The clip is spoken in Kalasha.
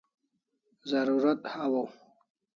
Zarurat hawaw